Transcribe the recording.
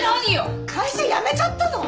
会社辞めちゃったの！？